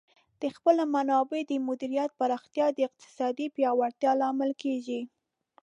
د خپلو منابعو د مدیریت پراختیا د اقتصاد پیاوړتیا لامل کیږي.